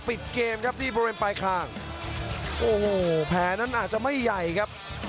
ปิดเกมครับที่บริเวณปลายคางโอ้โหแผลนั้นอาจจะไม่ใหญ่ครับ